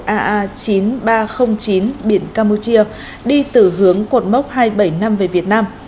aa chín nghìn ba trăm linh chín biển campuchia đi từ hướng cột mốc hai trăm bảy mươi năm về việt nam